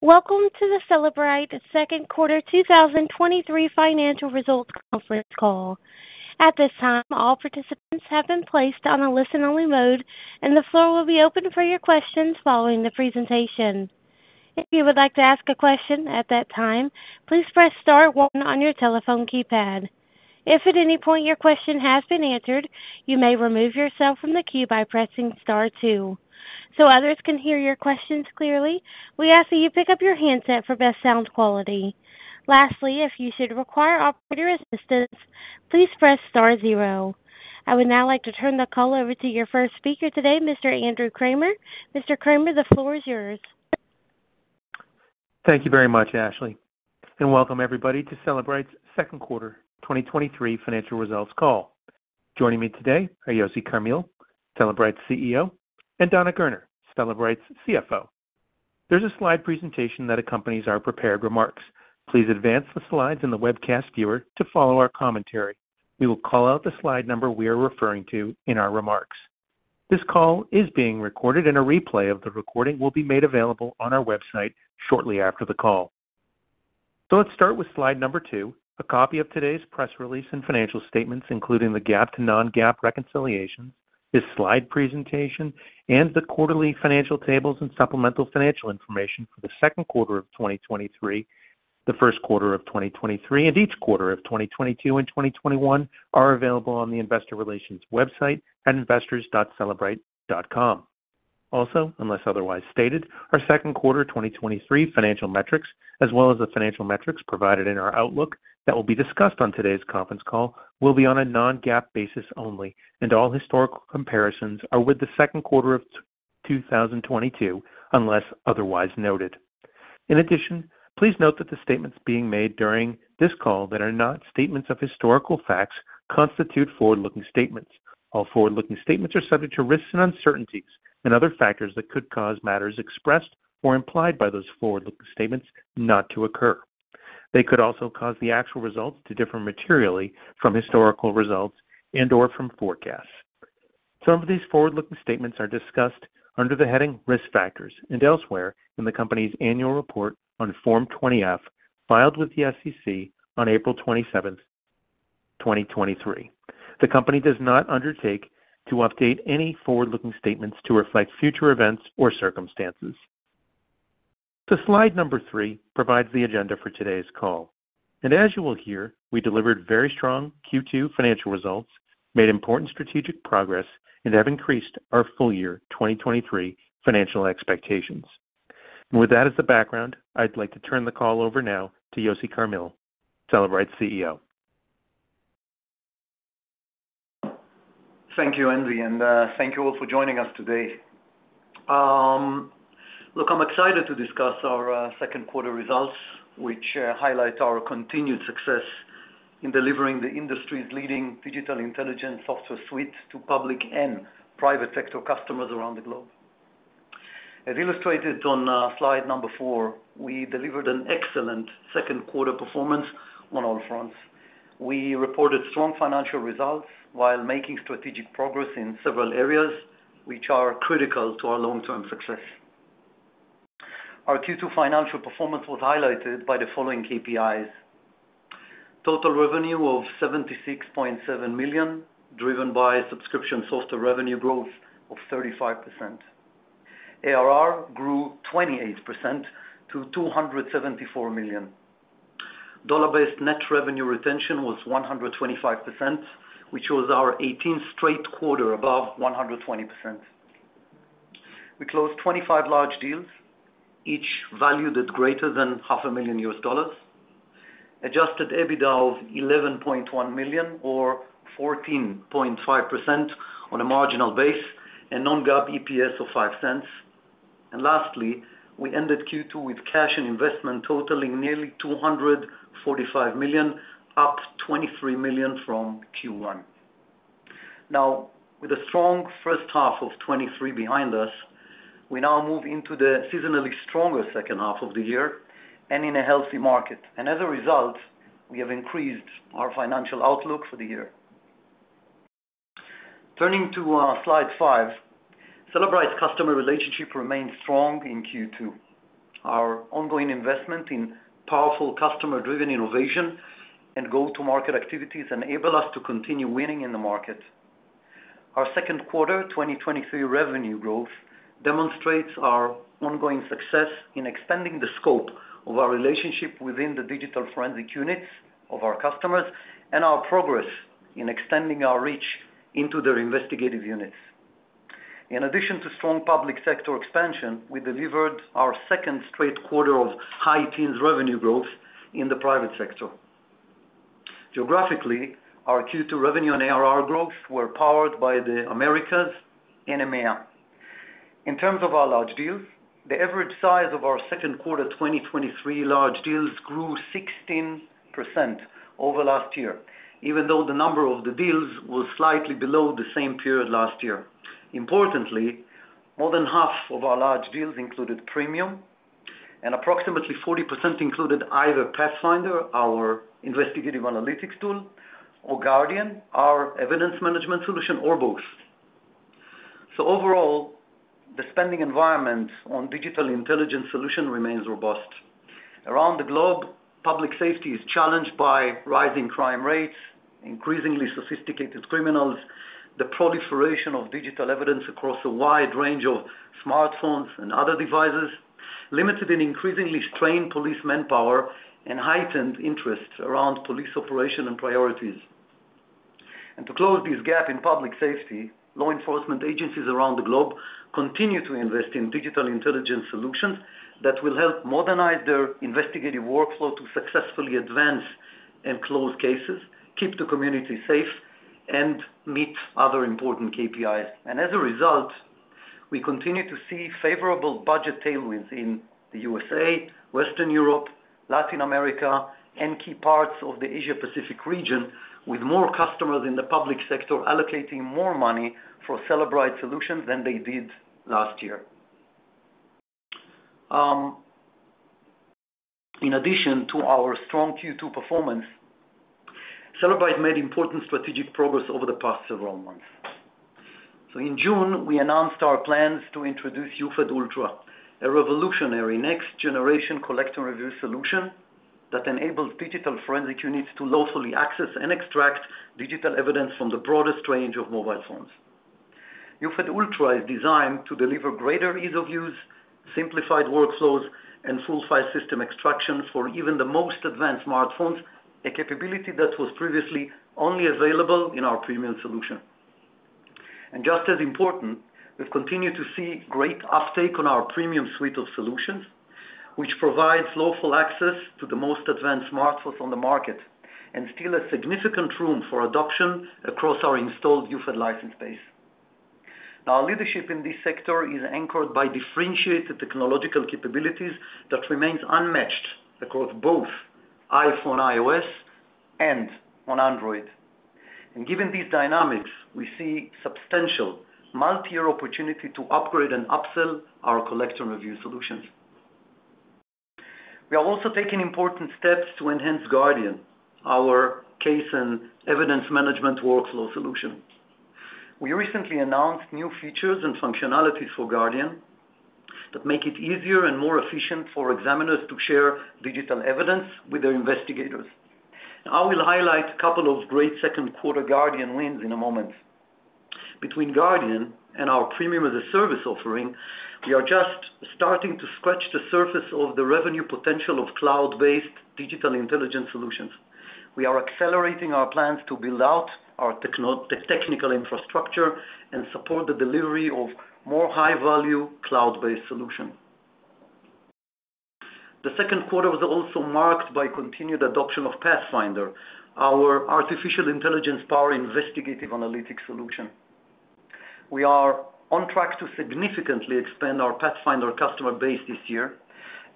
Welcome to the Cellebrite Second Quarter 2023 Financial Results Conference Call. At this time, all participants have been placed on a listen-only mode, and the floor will be open for your questions following the presentation. If you would like to ask a question at that time, please press star one on your telephone keypad. If at any point your question has been answered, you may remove yourself from the queue by pressing star two. Others can hear your questions clearly, we ask that you pick up your handset for best sound quality. Lastly, if you should require operator assistance, please press star zero. I would now like to turn the call over to your first speaker today, Mr. Andrew Kramer. Mr. Kramer, the floor is yours. Thank you very much, Ashley, and welcome everybody to Cellebrite's second quarter 2023 financial results call. Joining me today are Yossi Carmil, Cellebrite's CEO, and Dana Gerner, Cellebrite's CFO. There's a slide presentation that accompanies our prepared remarks. Please advance the slides in the webcast viewer to follow our commentary. We will call out the slide number we are referring to in our remarks. This call is being recorded, and a replay of the recording will be made available on our website shortly after the call. Let's start with slide number two, a copy of today's press release and financial statements, including the GAAP to non-GAAP reconciliations, this slide presentation, and the quarterly financial tables and supplemental financial information for the second quarter of 2023, the first quarter of 2023, and each quarter of 2022 and 2021 are available on the investor relations website at investors.cellebrite.com. Also, unless otherwise stated, our second quarter 2023 financial metrics, as well as the financial metrics provided in our outlook that will be discussed on today's conference call, will be on a non-GAAP basis only, and all historical comparisons are with the second quarter of 2022, unless otherwise noted. In addition, please note that the statements being made during this call that are not statements of historical facts constitute forward-looking statements. All forward-looking statements are subject to risks and uncertainties and other factors that could cause matters expressed or implied by those forward-looking statements not to occur. They could also cause the actual results to differ materially from historical results and/or from forecasts. Some of these forward-looking statements are discussed under the heading Risk Factors and elsewhere in the company's Annual Report on Form 20-F, filed with the SEC on April 27th, 2023. The company does not undertake to update any forward-looking statements to reflect future events or circumstances. Slide number 3 provides the agenda for today's call, and as you will hear, we delivered very strong Q2 financial results, made important strategic progress, and have increased our full year 2023 financial expectations. With that as the background, I'd like to turn the call over now to Yossi Carmil, Cellebrite CEO. Thank you, Andy, thank you all for joining us today. Look, I'm excited to discuss our second quarter results, which highlight our continued success in delivering the industry's leading Digital Intelligence software suite to public and private sector customers around the globe. As illustrated on slide number 4, we delivered an excellent second quarter performance on all fronts. We reported strong financial results while making strategic progress in several areas which are critical to our long-term success. Our Q2 financial performance was highlighted by the following KPIs: Total revenue of $76.7 million, driven by subscription software revenue growth of 35%. ARR grew 28% to $274 million. Dollar-based net revenue retention was 125%, which was our 18th straight quarter above 120%. We closed 25 large deals, each valued at greater than $500,000. Adjusted EBITDA of $11.1 million, or 14.5% on a margin basis, and non-GAAP EPS of $0.05. Lastly, we ended Q2 with cash and investment totaling nearly $245 million, up $23 million from Q1. With a strong first half of 2023 behind us, we now move into the seasonally stronger second half of the year and in a healthy market. As a result, we have increased our financial outlook for the year. Turning to slide 5, Cellebrite's customer relationship remained strong in Q2. Our ongoing investment in powerful customer-driven innovation and go-to-market activities enable us to continue winning in the market. Our second quarter 2023 revenue growth demonstrates our ongoing success in extending the scope of our relationship within the digital forensic units of our customers and our progress in extending our reach into their investigative units. In addition to strong public sector expansion, we delivered our second straight quarter of high teens revenue growth in the private sector. Geographically, our Q2 revenue and ARR growth were powered by the Americas and EMEA. In terms of our large deals, the average size of our second quarter 2023 large deals grew 16% over last year, even though the number of the deals was slightly below the same period last year. Importantly, more than half of our large deals included Premium, and approximately 40% included either Pathfinder, our investigative analytics tool, or Guardian, our evidence management solution, or both. Overall, the spending environment on Digital Intelligence solution remains robust. Around the globe, public safety is challenged by rising crime rates, increasingly sophisticated criminals, the proliferation of digital evidence across a wide range of smartphones and other devices, limited and increasingly strained police manpower, and heightened interest around police operation and priorities. To close this gap in public safety, law enforcement agencies around the globe continue to invest in Digital Intelligence solutions that will help modernize their investigative workflow to successfully advance and close cases, keep the community safe, and meet other important KPIs. As a result, we continue to see favorable budget tailwinds in the USA, Western Europe, Latin America, and key parts of the Asia Pacific region, with more customers in the public sector allocating more money for Cellebrite solutions than they did last year. In addition to our strong Q2 performance, Cellebrite made important strategic progress over the past several months. In June, we announced our plans to introduce Cellebrite UFED Ultra, a revolutionary next-generation collector review solution that enables digital forensic units to lawfully access and extract digital evidence from the broadest range of mobile phones. Cellebrite UFED Ultra is designed to deliver greater ease of use, simplified workflows, and full file system extraction for even the most advanced smartphones, a capability that was previously only available in our Cellebrite Premium solution. Just as important, we've continued to see great uptake on our Cellebrite Premium suite of solutions, which provides lawful access to the most advanced smartphones on the market, and still a significant room for adoption across our installed Cellebrite UFED license base. Our leadership in this sector is anchored by differentiated technological capabilities that remains unmatched across both iPhone, iOS, and on Android. Given these dynamics, we see substantial multi-year opportunity to upgrade and upsell our collector review solutions. We are also taking important steps to enhance Guardian, our case and evidence management workflow solution. We recently announced new features and functionalities for Guardian that make it easier and more efficient for examiners to share digital evidence with their investigators. I will highlight a couple of great second quarter Guardian wins in a moment. Between Guardian and our Premium as a Service offering, we are just starting to scratch the surface of the revenue potential of cloud-based Digital Intelligence solutions. We are accelerating our plans to build out our technical infrastructure and support the delivery of more high-value, cloud-based solution. The second quarter was also marked by continued adoption of Pathfinder, our artificial intelligence-powered investigative analytics solution. We are on track to significantly expand our Pathfinder customer base this year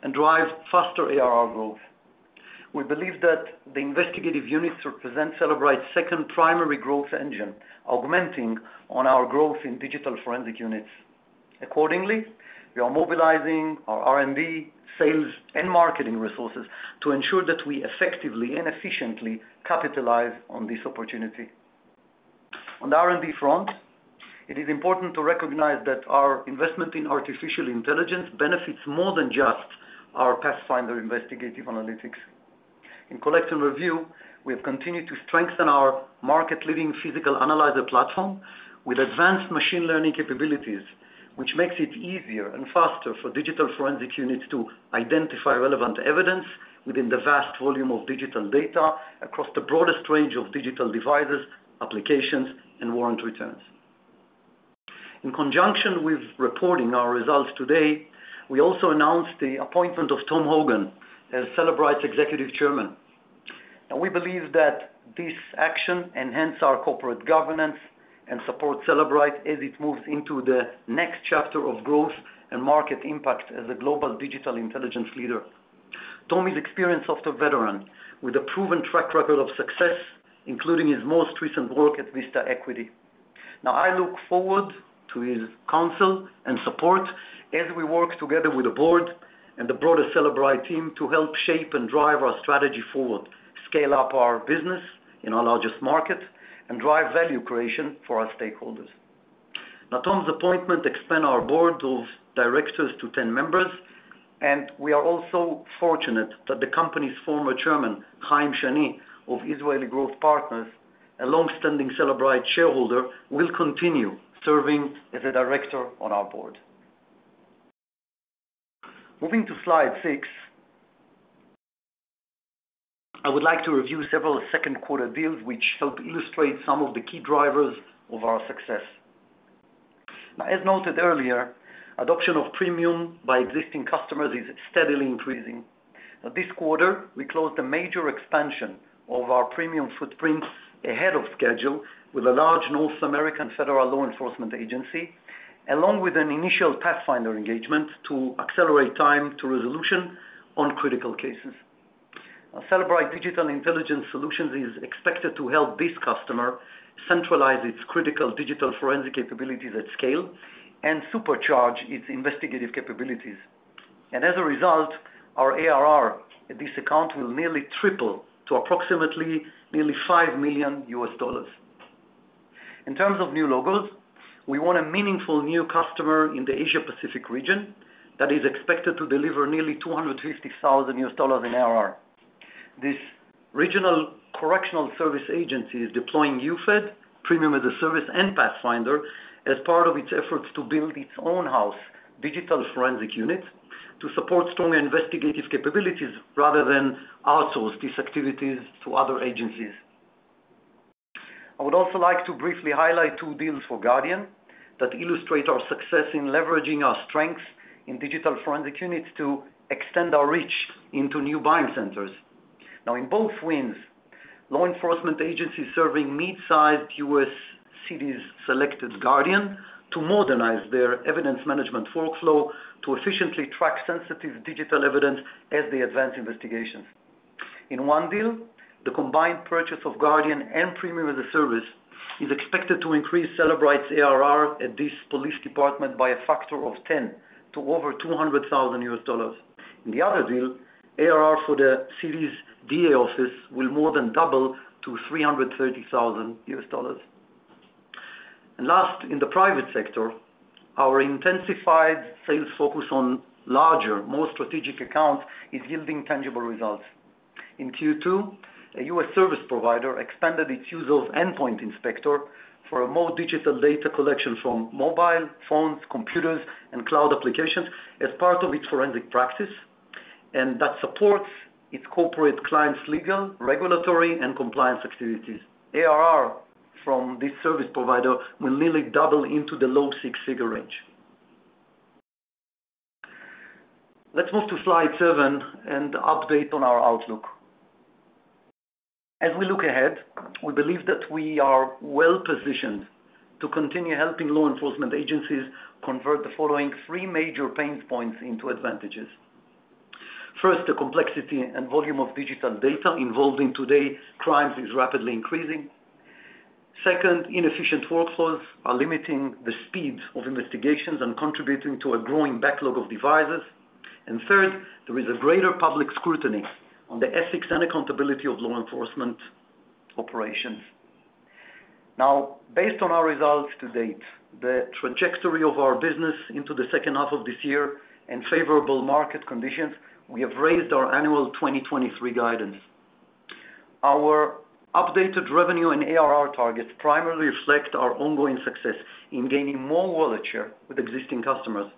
and drive faster ARR growth. We believe that the investigative units represent Cellebrite's second primary growth engine, augmenting on our growth in digital forensic units. Accordingly, we are mobilizing our R&D, sales, and marketing resources to ensure that we effectively and efficiently capitalize on this opportunity. On the R&D front, it is important to recognize that our investment in artificial intelligence benefits more than just our Pathfinder investigative analytics. In Collect & Review, we have continued to strengthen our market-leading Physical Analyzer platform with advanced machine learning capabilities, which makes it easier and faster for digital forensic units to identify relevant evidence within the vast volume of digital data across the broadest range of digital devices, applications, and warrant returns. In conjunction with reporting our results today, we also announced the appointment of Tom Hogan as Cellebrite's Executive Chairman. We believe that this action enhance our corporate governance and support Cellebrite as it moves into the next chapter of growth and market impact as a global Digital Intelligence leader. Tom is experienced software veteran with a proven track record of success, including his most recent work at Vista Equity. I look forward to his counsel and support as we work together with the board and the broader Cellebrite team to help shape and drive our strategy forward, scale up our business in our largest markets, and drive value creation for our stakeholders. Tom's appointment expand our board of directors to 10 members, and we are also fortunate that the company's former chairman, Haim Shani of Israel Growth Partners, a long-standing Cellebrite shareholder, will continue serving as a director on our board. Moving to slide 6, I would like to review several second quarter deals which help illustrate some of the key drivers of our success. Now, as noted earlier, adoption of Premium by existing customers is steadily increasing. Now this quarter, we closed a major expansion of our Premium footprints ahead of schedule with a large North American federal law enforcement agency, along with an initial Pathfinder engagement to accelerate time to resolution on critical cases. Cellebrite Digital Intelligence Solutions is expected to help this customer centralize its critical digital forensic capabilities at scale and supercharge its investigative capabilities. As a result, our ARR at this account will nearly triple to approximately nearly $5 million. In terms of new logos, we want a meaningful new customer in the Asia Pacific region that is expected to deliver nearly $250,000 in ARR. This regional correctional service agency is deploying UFED, Premium as a Service, and Pathfinder as part of its efforts to build its own house digital forensic unit, to support strong investigative capabilities rather than outsource these activities to other agencies. I would also like to briefly highlight two deals for Guardian that illustrate our success in leveraging our strengths in digital forensic units to extend our reach into new buying centers. In both wins, law enforcement agencies serving mid-sized US cities selected Guardian to modernize their evidence management workflow to efficiently track sensitive digital evidence as they advance investigations. In one deal, the combined purchase of Guardian and Premium as a Service is expected to increase Cellebrite's ARR at this police department by a factor of ten to over $200,000. In the other deal, ARR for the city's DA office will more than double to $330,000. Last, in the private sector, our intensified sales focus on larger, more strategic accounts is yielding tangible results. In Q2, a US service provider expanded its use of Endpoint Inspector for a more digital data collection from mobile phones, computers, and cloud applications as part of its forensic practice, and that supports its corporate clients' legal, regulatory, and compliance activities. ARR from this service provider will nearly double into the low six-figure range. Let's move to slide 7 and update on our outlook. As we look ahead, we believe that we are well-positioned to continue helping law enforcement agencies convert the following three major pain points into advantages. First, the complexity and volume of digital data involved in today's crimes is rapidly increasing. Second, inefficient workflows are limiting the speed of investigations and contributing to a growing backlog of devices. Third, there is a greater public scrutiny on the ethics and accountability of law enforcement operations. Based on our results to date, the trajectory of our business into the second half of this year and favorable market conditions, we have raised our annual 2023 guidance. Our updated revenue and ARR targets primarily reflect our ongoing success in gaining more wallet share with existing customers.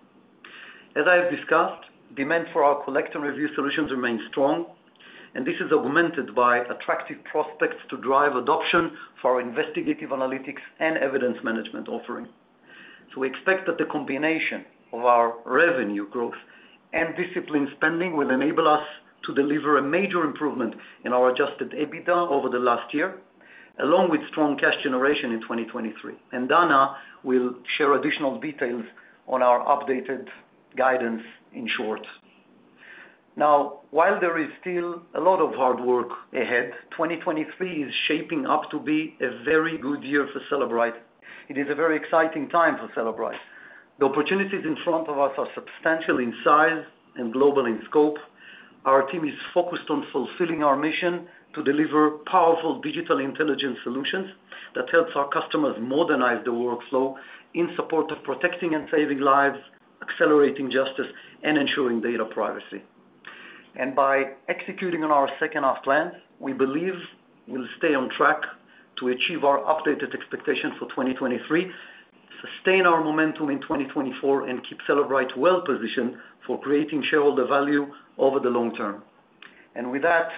As I have discussed, demand for our Collect & Review solutions remains strong, and this is augmented by attractive prospects to drive adoption for our investigative analytics and evidence management offering. We expect that the combination of our revenue growth and disciplined spending will enable us to deliver a major improvement in our Adjusted EBITDA over the last year, along with strong cash generation in 2023, and Dana will share additional details on our updated guidance in short. While there is still a lot of hard work ahead, 2023 is shaping up to be a very good year for Cellebrite. It is a very exciting time for Cellebrite. The opportunities in front of us are substantial in size and global in scope. Our team is focused on fulfilling our mission to deliver powerful Digital Intelligence solutions that helps our customers modernize their workflow in support of protecting and saving lives, accelerating justice, and ensuring data privacy. By executing on our second-half plans, we believe we'll stay on track to achieve our updated expectations for 2023, sustain our momentum in 2024, and keep Cellebrite well-positioned for creating shareholder value over the long term. With that,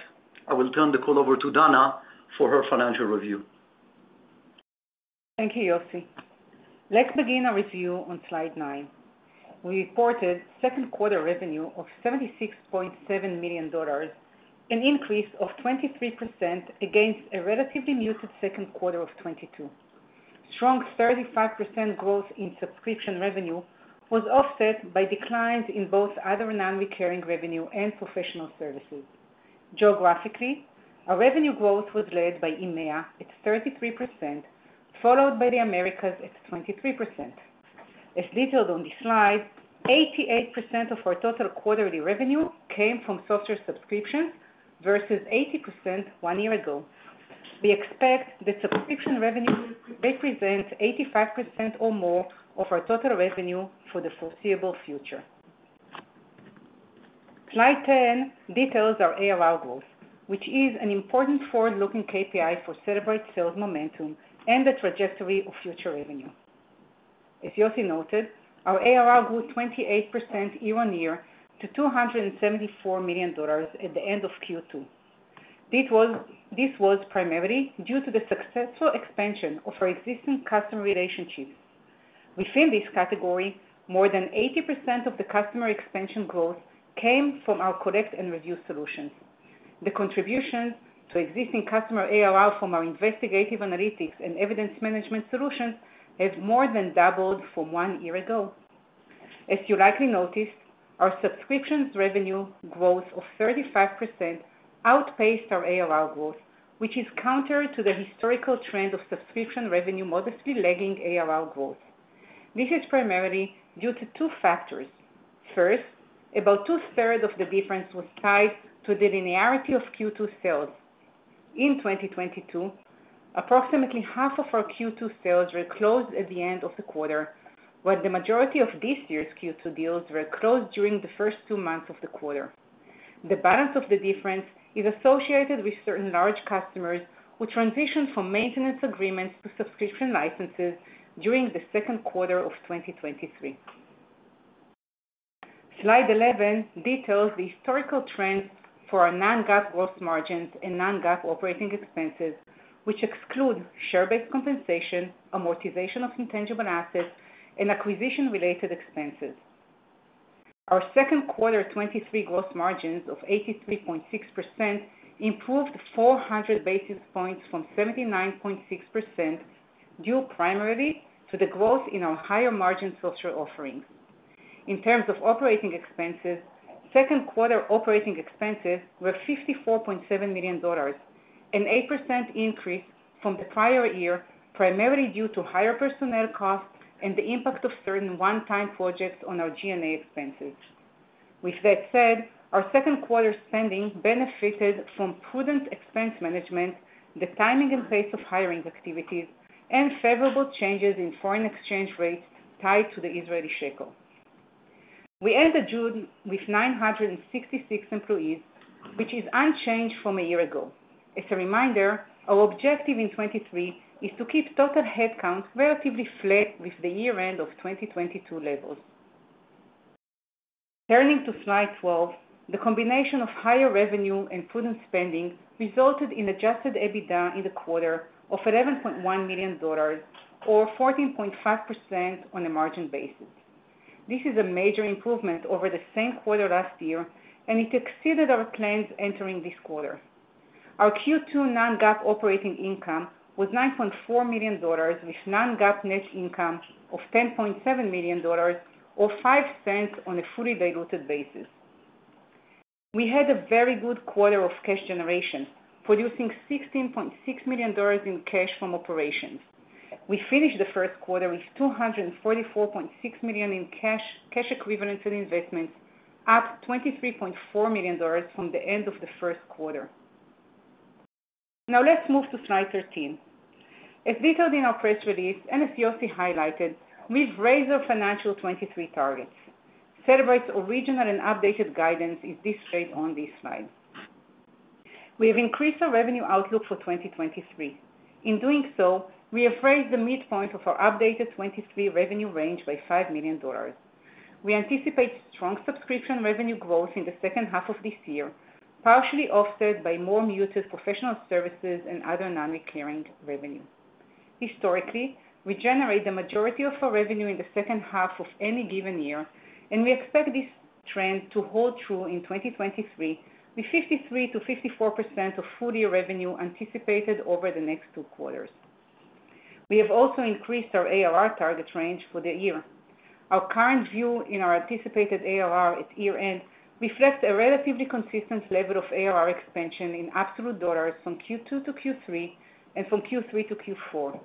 I will turn the call over to Dana for her financial review. Thank you, Yossi. Let's begin our review on slide 9. We reported second quarter revenue of $76.7 million, an increase of 23% against a relatively muted second quarter of 2022. Strong 35% growth in subscription revenue was offset by declines in both other non-recurring revenue and professional services. Geographically, our revenue growth was led by EMEA at 33%, followed by the Americas at 23%. As detailed on this slide, 88% of our total quarterly revenue came from software subscriptions, versus 80% one year ago. We expect that subscription revenue represents 85% or more of our total revenue for the foreseeable future. Slide 10 details our ARR growth, which is an important forward-looking KPI for Cellebrite sales momentum and the trajectory of future revenue. As Yossi noted, our ARR grew 28% year-on-year to $274 million at the end of Q2. This was primarily due to the successful expansion of our existing customer relationships. Within this category, more than 80% of the customer expansion growth came from our Collect & Review solutions. The contribution to existing customer ARR from our investigative analytics and evidence management solutions has more than doubled from 1 year ago. As you likely noticed, our subscriptions revenue growth of 35% outpaced our ARR growth, which is counter to the historical trend of subscription revenue modestly lagging ARR growth. This is primarily due to two factors. First, about two-thirds of the difference was tied to the linearity of Q2 sales. In 2022, approximately half of our Q2 sales were closed at the end of the quarter, while the majority of this year's Q2 deals were closed during the first two months of the quarter. The balance of the difference is associated with certain large customers who transitioned from maintenance agreements to subscription licenses during the second quarter of 2023. Slide 11 details the historical trends for our non-GAAP gross margins and non-GAAP operating expenses, which exclude share-based compensation, amortization of intangible assets, and acquisition-related expenses. Our second quarter 2023 gross margins of 83.6% improved 400 basis points from 79.6%, due primarily to the growth in our higher margin software offerings. In terms of operating expenses, second quarter operating expenses were $54.7 million, an 8% increase from the prior year, primarily due to higher personnel costs and the impact of certain one-time projects on our G&A expenses. That said, our second quarter spending benefited from prudent expense management, the timing and pace of hiring activities, and favorable changes in foreign exchange rates tied to the Israeli shekel. We ended June with 966 employees, which is unchanged from a year ago. As a reminder, our objective in 2023 is to keep total headcount relatively flat with the year-end of 2022 levels. Turning to slide 12, the combination of higher revenue and prudent spending resulted in Adjusted EBITDA in the quarter of $11.1 million, or 14.5% on a margin basis. This is a major improvement over the same quarter last year, and it exceeded our plans entering this quarter. Our Q2 non-GAAP operating income was $9.4 million, with non-GAAP net income of $10.7 million, or $0.05 on a fully diluted basis. We had a very good quarter of cash generation, producing $16.6 million in cash from operations. We finished the first quarter with $244.6 million in cash, cash equivalents, and investments, up $23.4 million from the end of the first quarter. Now let's move to slide 13. As detailed in our press release and as Yossi highlighted, we've raised our financial 2023 targets. Cellebrite's original and updated guidance is displayed on this slide. We have increased our revenue outlook for 2023. In doing so, we have raised the midpoint of our updated 2023 revenue range by $5 million. We anticipate strong subscription revenue growth in the second half of this year, partially offset by more muted professional services and other non-recurring revenue. Historically, we generate the majority of our revenue in the second half of any given year, and we expect this trend to hold true in 2023, with 53%-54% of full year revenue anticipated over the next two quarters. We have also increased our ARR target range for the year. Our current view in our anticipated ARR at year-end reflects a relatively consistent level of ARR expansion in absolute dollars from Q2 to Q3 and from Q3 to Q4.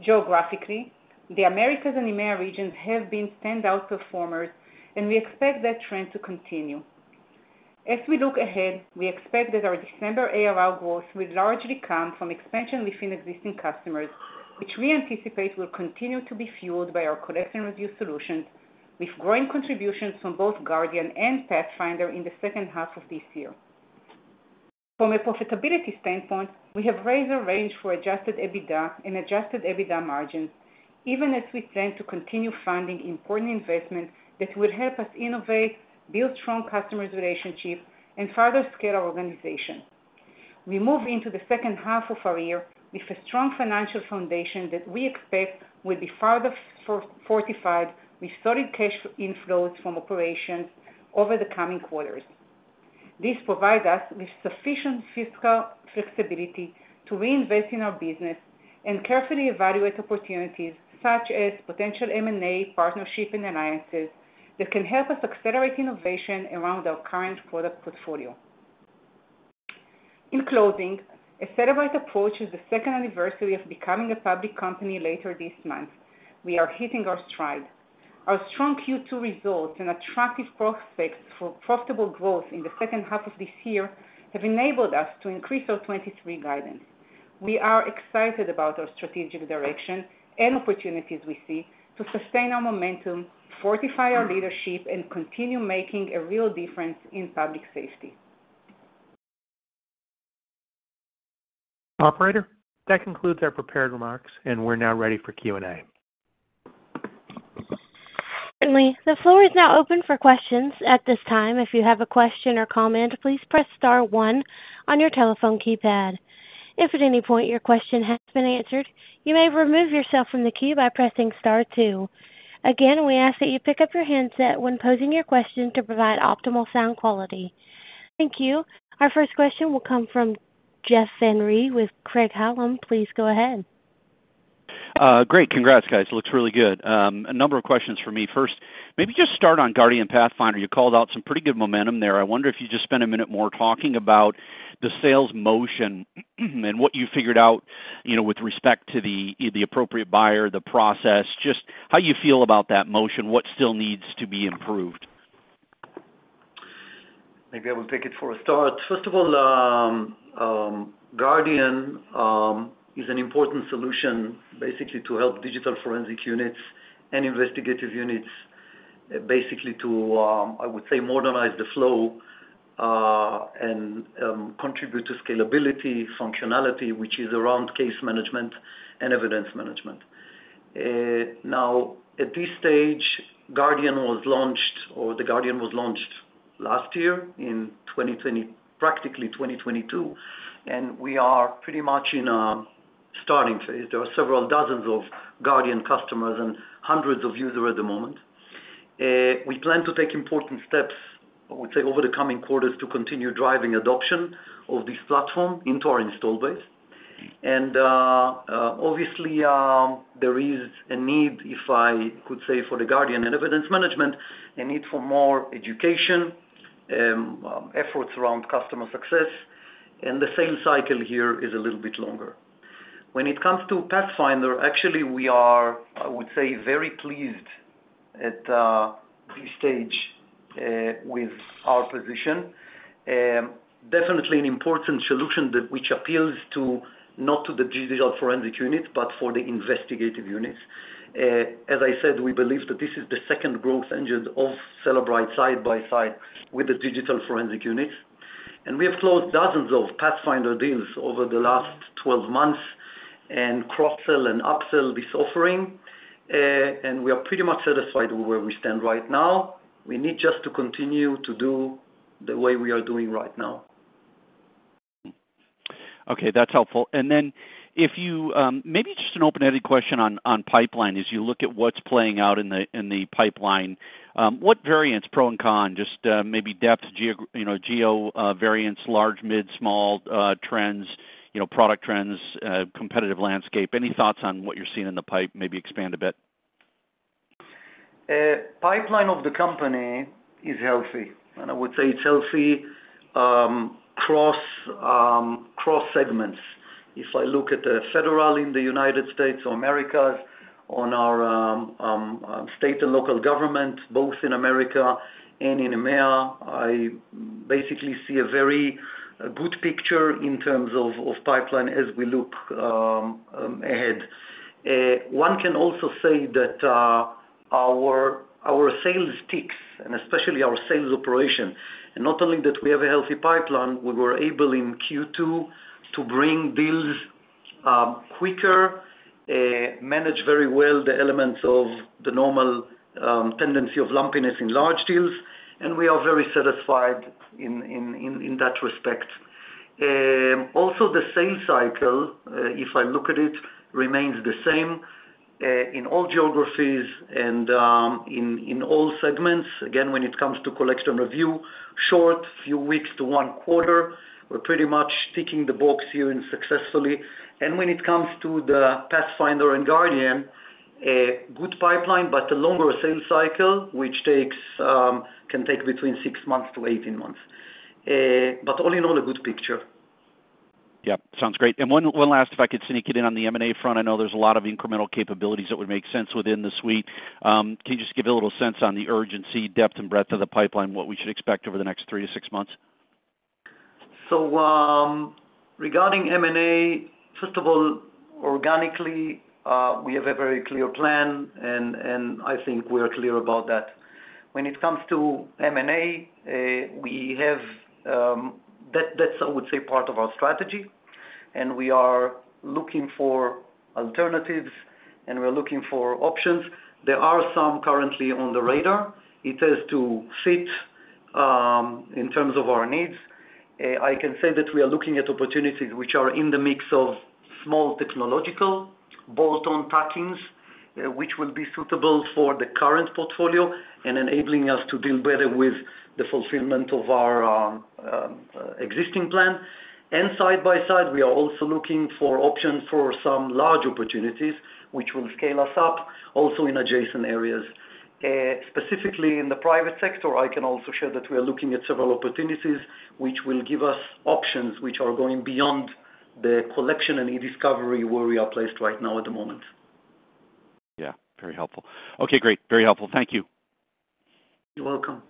Geographically, the Americas and EMEA regions have been standout performers, and we expect that trend to continue. As we look ahead, we expect that our December ARR growth will largely come from expansion within existing customers, which we anticipate will continue to be fueled by our collection review solutions, with growing contributions from both Cellebrite Guardian and Cellebrite Pathfinder in the second half of this year. From a profitability standpoint, we have raised our range for Adjusted EBITDA and Adjusted EBITDA margins, even as we plan to continue funding important investments that will help us innovate, build strong customers' relationships, and further scale our organization. We move into the second half of our year with a strong financial foundation that we expect will be further fortified with solid cash inflows from operations over the coming quarters. This provides us with sufficient fiscal flexibility to reinvest in our business and carefully evaluate opportunities such as potential M&A, partnerships, and alliances, that can help us accelerate innovation around our current product portfolio. In closing, as Cellebrite approaches the second anniversary of becoming a public company later this month, we are hitting our stride. Our strong Q2 results and attractive prospects for profitable growth in the second half of this year have enabled us to increase our 2023 guidance. We are excited about our strategic direction and opportunities we see to sustain our momentum, fortify our leadership, and continue making a real difference in public safety. Operator, that concludes our prepared remarks, and we're now ready for Q&A. Certainly. The floor is now open for questions. At this time, if you have a question or comment, please press star one on your telephone keypad. If at any point your question has been answered, you may remove yourself from the queue by pressing star two. Again, we ask that you pick up your handset when posing your question to provide optimal sound quality. Thank you. Our first question will come from Jeff Van Rhee with Craig-Hallum. Please go ahead. ... Great, congrats, guys. Looks really good. A number of questions for me. First, maybe just start on Guardian Pathfinder. You called out some pretty good momentum there. I wonder if you'd just spend a minute more talking about the sales motion, and what you figured out, you know, with respect to the, the appropriate buyer, the process, just how you feel about that motion, what still needs to be improved? Maybe I will take it for a start. First of all, Cellebrite Guardian is an important solution, basically, to help digital forensic units and investigative units, basically, to, I would say, modernize the flow and contribute to scalability, functionality, which is around case management and evidence management. Now, at this stage, Cellebrite Guardian was launched, or Cellebrite Guardian was launched last year, in 2022, and we are pretty much in a starting phase. There are several dozens of Cellebrite Guardian customers and hundreds of users at the moment. We plan to take important steps, I would say, over the coming quarters, to continue driving adoption of this platform into our install base. Obviously, there is a need, if I could say, for the Cellebrite Guardian and evidence management, a need for more education, efforts around customer success, and the sales cycle here is a little bit longer. When it comes to Cellebrite Pathfinder, actually, we are, I would say, very pleased at this stage with our position. Definitely an important solution that which appeals to, not to the digital forensic unit, but for the investigative units. As I said, we believe that this is the second growth engine of Cellebrite, side by side with the digital forensic units. We have closed dozens of Cellebrite Pathfinder deals over the last 12 months, and cross-sell and upsell this offering. We are pretty much satisfied with where we stand right now. We need just to continue to do the way we are doing right now. Okay, that's helpful. If you, maybe just an open-ended question on, on pipeline. As you look at what's playing out in the, in the pipeline, what variants, pro and con, just, maybe depth, you know, geo, variants, large, mid, small, trends, you know, product trends, competitive landscape, any thoughts on what you're seeing in the pipe? Maybe expand a bit. Pipeline of the company is healthy, and I would say it's healthy cross-segments. If I look at the federal in the United States or Americas, on our state and local government, both in America and in EMEA, I basically see a very good picture in terms of pipeline as we look ahead. One can also say that our sales tech, and especially our sales operation, and not only that we have a healthy pipeline, we were able, in Q2, to bring deals quicker, manage very well the elements of the normal tendency of lumpiness in large deals, and we are very satisfied in that respect. Also, the sales cycle, if I look at it, remains the same in all geographies and in all segments. Again, when it comes to Collect & Review, short, few weeks to one quarter, we're pretty much ticking the box here and successfully. When it comes to the Pathfinder and Guardian, a good pipeline, but a longer sales cycle, which takes, can take between six months to18 months. All in all, a good picture. Yep, sounds great. One last, if I could sneak it in on the M&A front. I know there's a lot of incremental capabilities that would make sense within the suite. Can you just give a little sense on the urgency, depth and breadth of the pipeline, what we should expect over the next three months to 6 months? Regarding M&A, first of all, organically, we have a very clear plan, and, and I think we are clear about that. When it comes to M&A, we have that's, I would say, part of our strategy, and we are looking for alternatives, and we're looking for options. There are some currently on the radar. It has to fit in terms of our needs. I can say that we are looking at opportunities which are in the mix of small technological, bolt-on acquisitions, which will be suitable for the current portfolio and enabling us to deal better with the fulfillment of our existing plan. Side by side, we are also looking for options for some large opportunities, which will scale us up, also in adjacent areas. Specifically in the private sector, I can also share that we are looking at several opportunities, which will give us options which are going beyond the collection and e-discovery, where we are placed right now at the moment. Yeah, very helpful. Okay, great. Very helpful. Thank you. You're welcome.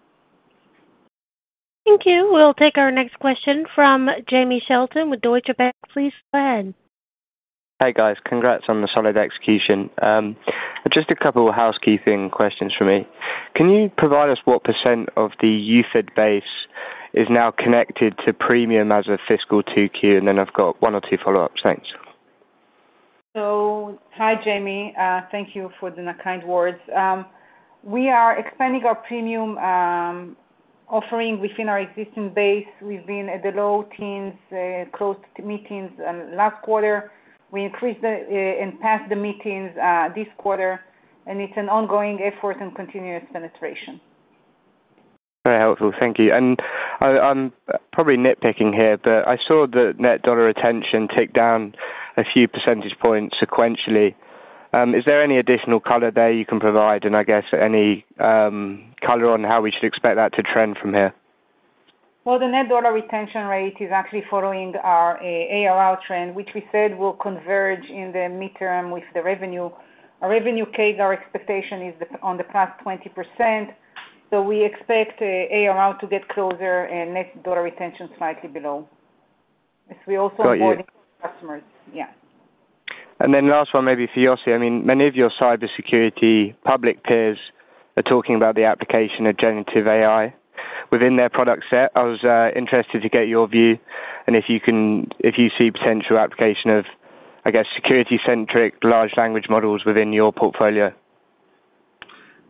Thank you. We'll take our next question from Jamie Shelton with Deutsche Bank. Please go ahead. Hey, guys. Congrats on the solid execution. Just a couple of housekeeping questions for me. Can you provide us what % of the UFED base is now connected to Premium as of fiscal 2Q? And then I've got one or two follow-ups. Thanks. Hi, Jamie. Thank you for the kind words. We are expanding our Premium offering within our existing base. We've been at the low teens, closed meetings last quarter. We increased the and passed the meetings this quarter, and it's an ongoing effort and continuous penetration. Very helpful, thank you. I'm probably nitpicking here, but I saw the net dollar retention tick down a few percentage points sequentially. Is there any additional color there you can provide? I guess any color on how we should expect that to trend from here? Well, the net dollar retention rate is actually following our ARR trend, which we said will converge in the midterm with the revenue. Our revenue case, our expectation is the, on the plus 20%, so we expect ARR to get closer and net dollar retention slightly below. Got you. Customers. Yeah. Last one, maybe for Yossi. I mean, many of your cybersecurity public peers are talking about the application of generative AI within their product set. I was interested to get your view, and if you see potential application of, I guess, security-centric large language models within your portfolio?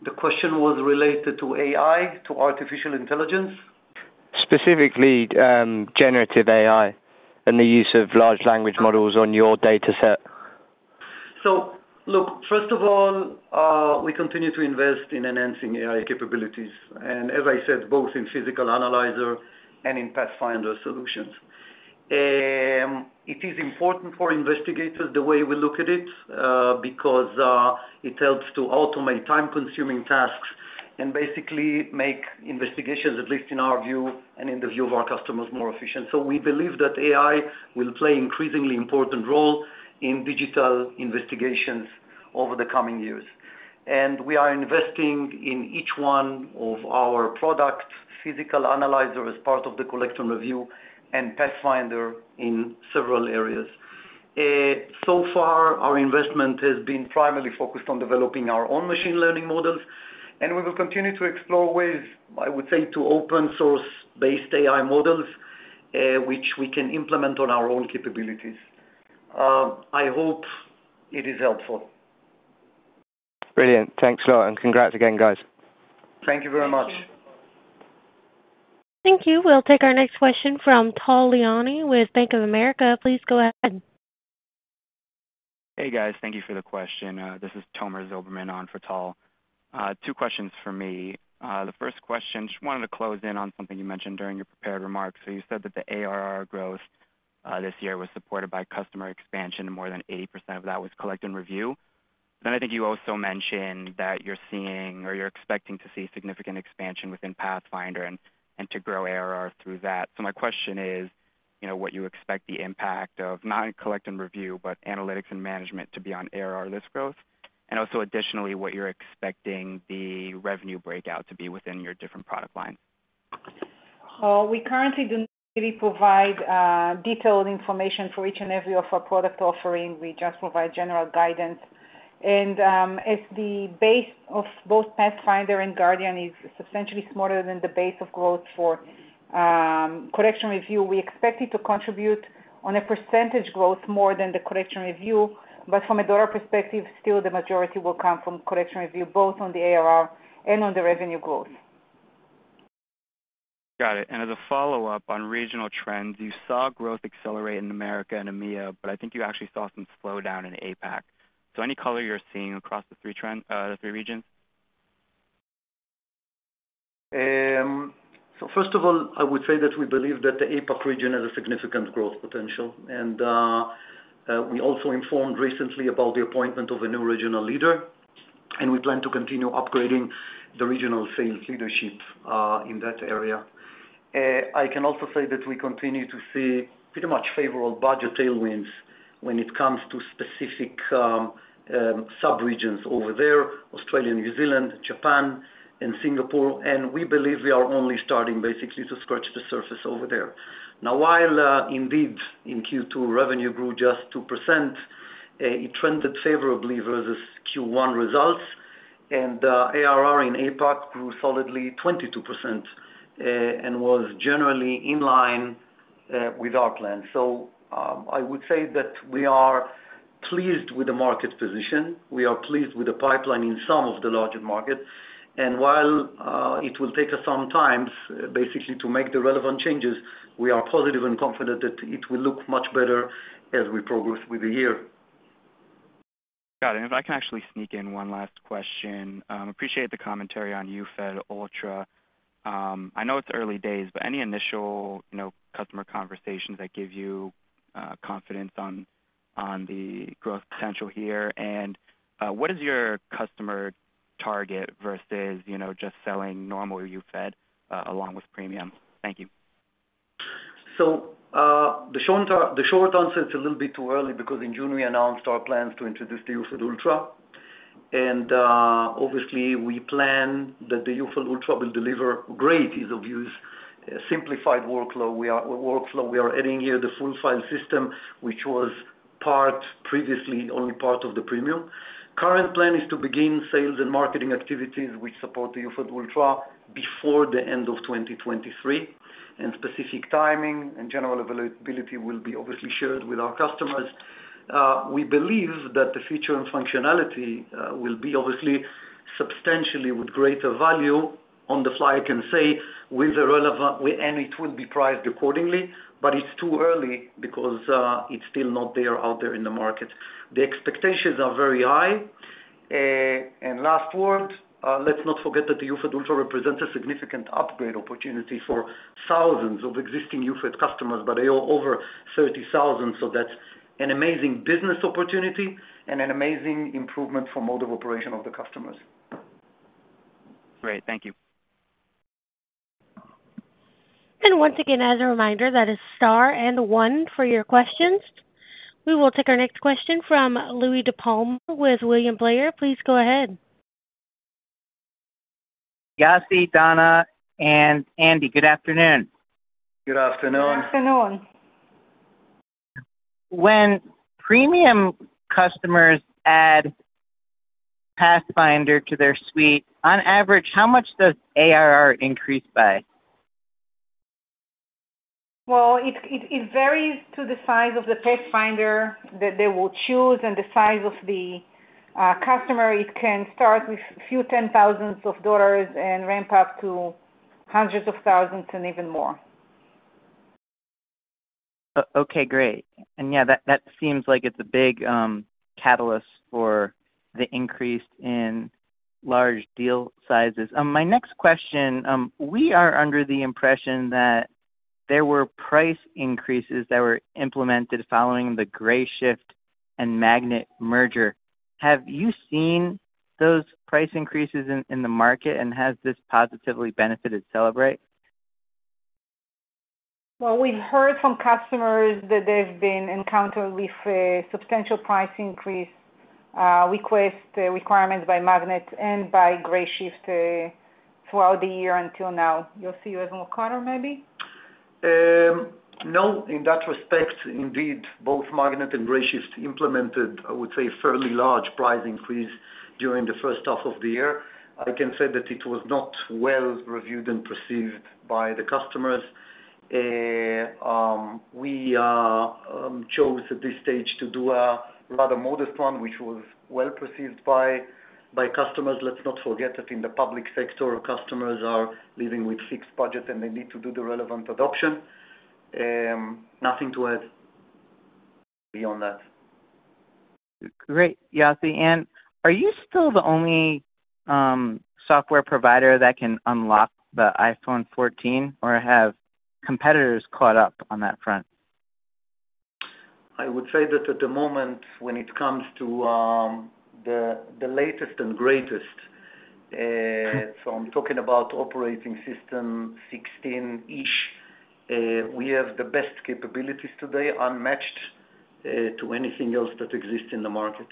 The question was related to AI, to artificial intelligence? Specifically, generative AI and the use of large language models on your data set. Look, first of all, we continue to invest in enhancing AI capabilities, and as I said, both in Physical Analyzer and in Pathfinder solutions. It is important for investigators, the way we look at it, because it helps to automate time-consuming tasks and basically make investigations, at least in our view and in the view of our customers, more efficient. We believe that AI will play an increasingly important role in digital investigations over the coming years. We are investing in each one of our products, Physical Analyzer, as part of the Collect & Review, and Pathfinder in several areas. So far, our investment has been primarily focused on developing our own machine learning models, and we will continue to explore ways, I would say, to open source-based AI models, which we can implement on our own capabilities. I hope it is helpful. Brilliant. Thanks a lot, and congrats again, guys. Thank you very much. Thank you. Thank you. We'll take our next question from Tal Liani with Bank of America. Please go ahead. Hey, guys. Thank you for the question. This is Tomer Zilberman on for Tal. Two questions for me. The first question, just wanted to close in on something you mentioned during your prepared remarks. You said that the ARR growth, this year was supported by customer expansion, and more than 80% of that was Collect & Review. I think you also mentioned that you're seeing or you're expecting to see significant expansion within PathFinder and to grow ARR through that. My question is, you know, what you expect the impact of not in Collect & Review, but analytics and management, to be on ARR this growth, and also additionally, what you're expecting the revenue breakout to be within your different product lines? We currently do not really provide detailed information for each and every of our product offering. We just provide general guidance. As the base of both Pathfinder and Guardian is substantially smaller than the base of growth for Collect & Review, we expect it to contribute on a percentage growth more than the Collect & Review. From a dollar perspective, still the majority will come from Collect & Review, both on the ARR and on the revenue growth. Got it. As a follow-up on regional trends, you saw growth accelerate in Americas and EMEA, but I think you actually saw some slowdown in APAC. Any color you're seeing across the three trend, the three regions? First of all, I would say that we believe that the APAC region has a significant growth potential. We also informed recently about the appointment of a new regional leader, and we plan to continue upgrading the regional sales leadership in that area. I can also say that we continue to see favorable budget tailwinds when it comes to specific subregions over there, Australia and New Zealand, Japan and Singapore, and we believe we are only starting to scratch the surface over there. While indeed, in Q2, revenue grew just 2%, it trended favorably versus Q1 results, and ARR in APAC grew solidly 22% and was generally in line with our plan. I would say that we are pleased with the market position. We are pleased with the pipeline in some of the larger markets, and while it will take us some time basically to make the relevant changes, we are positive and confident that it will look much better as we progress with the year. Got it. If I can actually sneak in one last question. Appreciate the commentary on UFED Ultra. I know it's early days, but any initial, you know, customer conversations that give you confidence on, on the growth potential here? What is your customer target versus, you know, just selling normal UFED along with premium? Thank you. The short term, the short answer, it's a little bit too early, because in June, we announced our plans to introduce the UFED Ultra. Obviously, we plan that the UFED Ultra will deliver great ease of use, a simplified workload. Workflow. We are adding here the full file system, which was part previously, only part of the premium. Current plan is to begin sales and marketing activities which support the UFED Ultra before the end of 2023, and specific timing and general availability will be obviously shared with our customers. We believe that the feature and functionality will be obviously substantially with greater value on the fly, I can say, with the relevant, and it will be priced accordingly, but it's too early because it's still not there, out there in the market. The expectations are very high.... Last word, let's not forget that the UFED Ultra represents a significant upgrade opportunity for thousands of existing UFED customers, but they are over 30,000, so that's an amazing business opportunity and an amazing improvement for mode of operation of the customers. Great, thank you. Once again, as a reminder, that is Star and one for your questions. We will take our next question from Louie DiPalma with William Blair. Please go ahead. Yossi, Dana, and Andy, good afternoon. Good afternoon. Good afternoon. When premium customers add Pathfinder to their suite, on average, how much does ARR increase by? Well, it varies to the size of the Pathfinder that they will choose and the size of the customer. It can start with few ten thousands of dollars and ramp up to hundreds of thousands and even more. Okay, great. Yeah, that, that seems like it's a big catalyst for the increase in large deal sizes. My next question, we are under the impression that there were price increases that were implemented following the Grayshift and Magnet merger. Have you seen those price increases in, in the market, and has this positively benefited Cellebrite? Well, we've heard from customers that they've been encountered with a substantial price increase, request, requirements by Magnet and by GrayShift, throughout the year until now. Yossi, you have more color, maybe? No, in that respect, indeed, both Magnet and GrayShift implemented, I would say, fairly large price increase during the first half of the year. I can say that it was not well reviewed and perceived by the customers. We are chose at this stage to do a rather modest one, which was well perceived by, by customers. Let's not forget that in the public sector, customers are living with fixed budget, and they need to do the relevant adoption. Nothing to add beyond that. Great, Yossi. Are you still the only software provider that can unlock the iPhone 14, or have competitors caught up on that front? I would say that at the moment, when it comes to, the, the latest and greatest, so I'm talking about operating system 16-ish, we have the best capabilities today, unmatched, to anything else that exists in the market.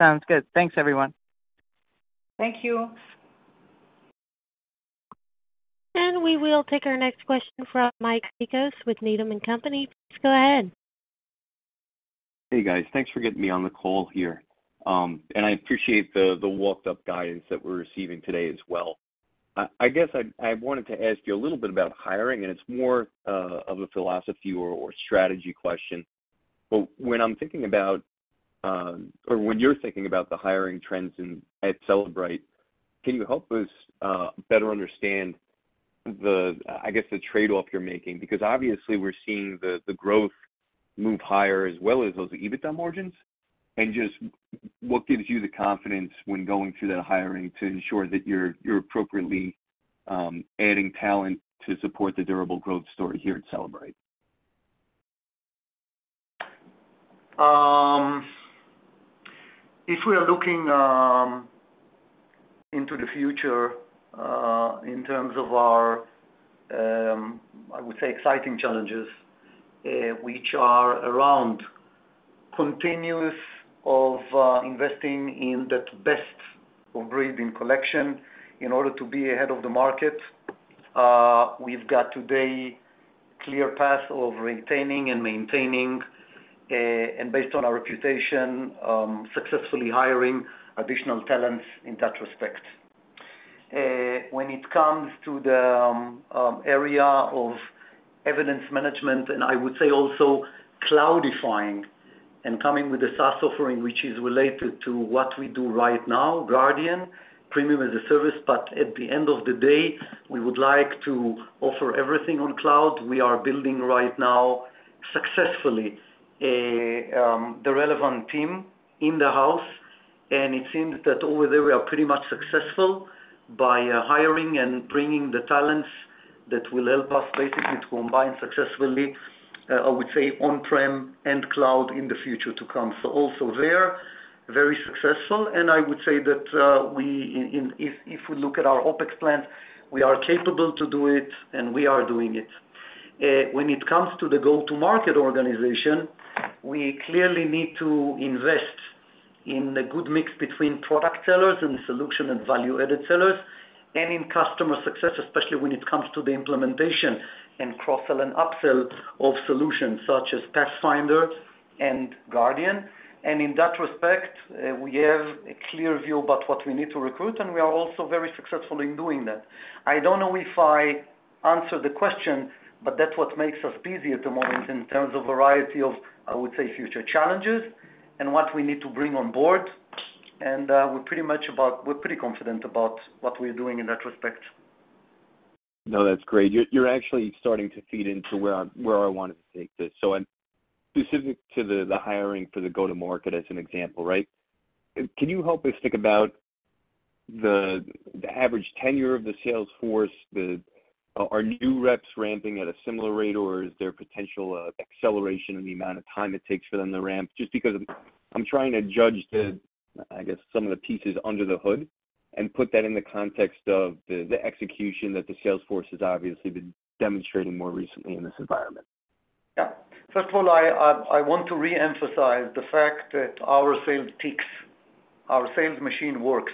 Sounds good. Thanks, everyone. Thank you. We will take our next question from Mike Cikos with Needham & Company. Please go ahead. Hey, guys. Thanks for getting me on the call here. I appreciate the, the walked-up guidance that we're receiving today as well. I, I guess I, I wanted to ask you a little bit about hiring, and it's more of a philosophy or, or strategy question. When I'm thinking about, or when you're thinking about the hiring trends at Cellebrite, can you help us better understand the, I guess, the trade-off you're making? Because obviously, we're seeing the, the growth move higher as well as those EBITDA margins. Just what gives you the confidence when going through that hiring to ensure that you're, you're appropriately, adding talent to support the durable growth story here at Cellebrite? If we are looking into the future, in terms of our, I would say, exciting challenges, which are around continuous of investing in the best of breed in collection in order to be ahead of the market, we've got today clear path of retaining and maintaining, and based on our reputation, successfully hiring additional talents in that respect. When it comes to the area of evidence management, and I would say also cloudifying and coming with a SaaS offering, which is related to what we do right now, Guardian, Premium as a service, but at the end of the day, we would like to offer everything on cloud. We are building right now, successfully, a, the relevant team in the house, and it seems that over there we are pretty much successful by hiring and bringing the talents that will help us basically to combine successfully, I would say, on-prem and cloud in the future to come. Also there, very successful, and I would say that, we, in, in, if, if we look at our OpEx plan, we are capable to do it, and we are doing it. When it comes to the go-to-market organization, we clearly need to invest in a good mix between product sellers and solution and value-added sellers, and in customer success, especially when it comes to the implementation and cross-sell and upsell of solutions such as Pathfinder and Guardian. In that respect, we have a clear view about what we need to recruit, and we are also very successful in doing that. I don't know if I answered the question, but that's what makes us busy at the moment in terms of variety of, I would say, future challenges and what we need to bring on board, and we're pretty confident about what we're doing in that respect. No, that's great. You're, you're actually starting to feed into where I, where I wanted to take this. Specific to the, the hiring for the go-to-market as an example, right? Can you help us think about the, the average tenure of the sales force? The, are new reps ramping at a similar rate, or is there potential acceleration in the amount of time it takes for them to ramp? Just because I'm trying to judge the, I guess, some of the pieces under the hood and put that in the context of the, the execution that the sales force has obviously been demonstrating more recently in this environment. Yeah. First of all, I, I, I want to reemphasize the fact that our sales tech, our sales machine works.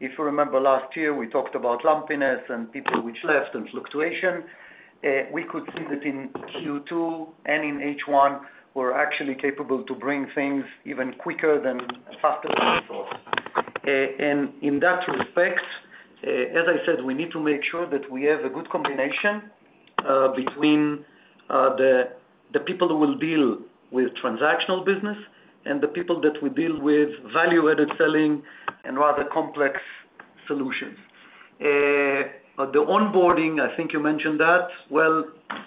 If you remember last year, we talked about lumpiness and people which left and fluctuation. We could see that in Q2 and in H1, we're actually capable to bring things even quicker than, faster than before. In that respect, as I said, we need to make sure that we have a good combination between the people who will deal with transactional business and the people that will deal with value-added selling and rather complex solutions. The onboarding, I think you mentioned that, well,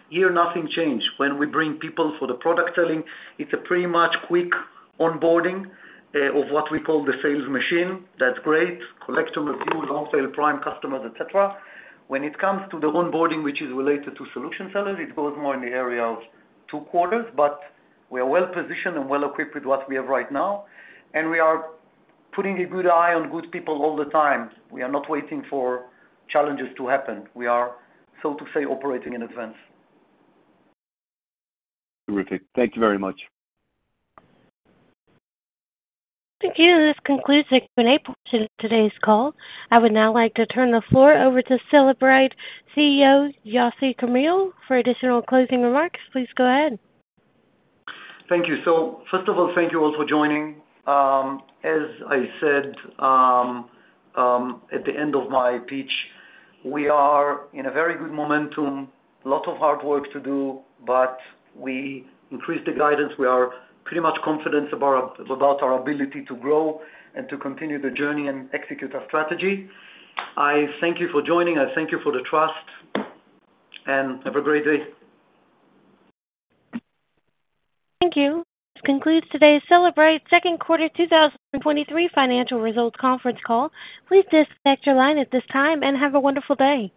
here, nothing changed. When we bring people for the product selling, it's a pretty much quick onboarding of what we call the sales machine. That's great. Collect some reviews, on sale, prime customers, et cetera. When it comes to the onboarding, which is related to solution sellers, it goes more in the area of two quarters, but we are well-positioned and well-equipped with what we have right now, and we are putting a good eye on good people all the time. We are not waiting for challenges to happen. We are, so to say, operating in advance. Terrific. Thank you very much. Thank you. This concludes the Q&A portion of today's call. I would now like to turn the floor over to Cellebrite CEO, Yossi Carmil, for additional closing remarks. Please go ahead. Thank you. First of all, thank you all for joining. As I said, at the end of my pitch, we are in a very good momentum. A lot of hard work to do, we increased the guidance. We are pretty much confident about our, about our ability to grow and to continue the journey and execute our strategy. I thank you for joining. I thank you for the trust, have a great day. Thank you. This concludes today's Cellebrite second quarter, 2023 financial results conference call. Please disconnect your line at this time, and have a wonderful day.